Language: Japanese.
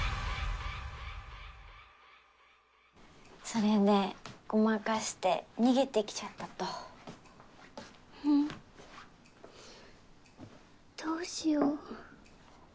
それでごまかして逃げてきちゃったとうんどうしよう